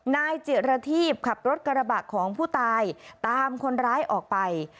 นายจิระทีพขับรถกระบะของผู้ตายตามคนร้ายออกไป